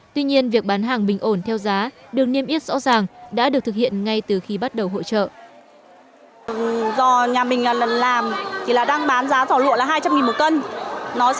tuy nhiên việc bán hàng bình ổn theo giá được niêm yết rõ ràng đã được thực hiện ngay từ khi bắt đầu hội trợ